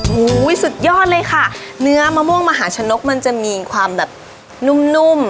โอ้โหสุดยอดเลยค่ะเนื้อมะม่วงมหาชนกมันจะมีความแบบนุ่มนุ่ม